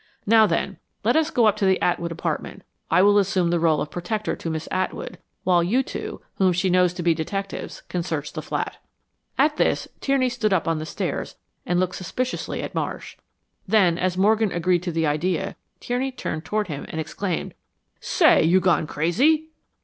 Now then, let us go up to the Atwood apartment. I will assume the role of protector to Miss Atwood while you two, whom she knows to be detectives, can search the flat." At this, Tierney stood up on the stairs and looked suspiciously at Marsh. Then, as Morgan agreed to the idea, Tierney turned toward him and exclaimed, "Say, you gone crazy?"